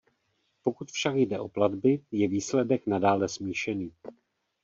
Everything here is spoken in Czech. Pokud však jde o platby, je výsledek nadále smíšený.